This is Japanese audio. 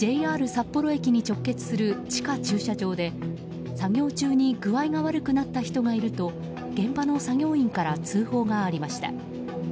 札幌駅に直結する地下駐車場で作業中に具合が悪くなった人がいると現場の作業員から通報がありました。